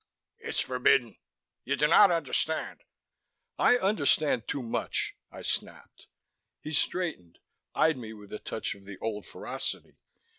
"It's forbidden. Do you not understand " "I understand too much," I snapped. He straightened, eyed me with a touch of the old ferocity.